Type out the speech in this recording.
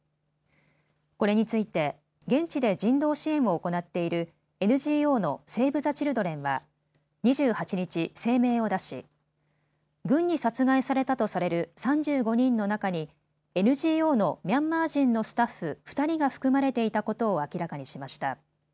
これについて現地で人道支援を行っているＮＧＯのセーブ・ザ・チルドレンは２８日、声明を出し軍に殺害されたとされる３５人の中にＮＧＯのミャンマー人のスタッフ２人が含まれていたことを明らかにしました。